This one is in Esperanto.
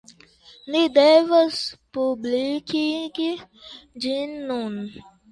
Ni devas publikigi ĝin nun.